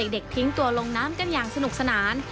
ทิ้งตัวลงน้ำกันอย่างสนุกสนาน